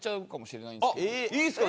いいんですか？